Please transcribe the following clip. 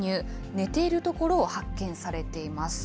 寝ているところを発見されています。